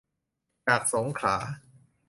จากสงขลา